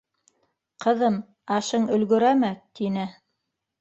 — Ҡыҙым, ашың өлгөрәме? — тине.